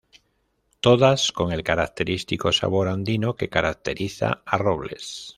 Todas con el característico sabor andino que caracteriza a Robles.